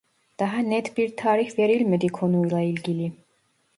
Daha net bir tarih verilmedi konuyla ilgili.